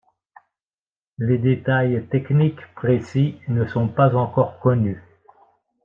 Les détails techniques précis ne sont pas encore connus.